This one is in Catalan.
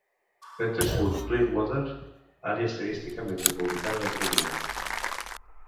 Petersburg-Clearwater, àrea estadística metropolitana de Florida.